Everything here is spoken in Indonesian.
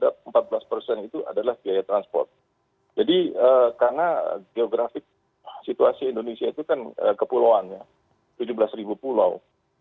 karena geografi situasi indonesia itu kan kepulauannya tujuh belas ribu pulau